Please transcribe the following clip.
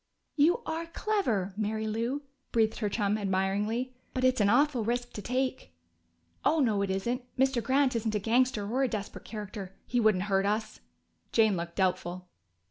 "You are clever, Mary Lou!" breathed her chum admiringly. "But it's an awful risk to take." "Oh no, it isn't. Mr. Grant isn't a gangster or a desperate character. He wouldn't hurt us." Jane looked doubtful.